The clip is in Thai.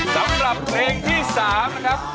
สำหรับเพลงที่๓นะครับ